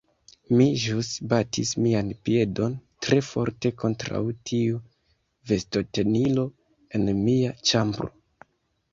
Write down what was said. Mi ĵus batis mian piedon tre forte kontraŭ tiu vestotenilo en mia ĉambro